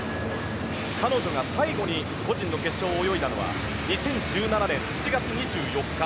彼女が最後に個人の決勝を泳いだのは２０１７年７月２４日。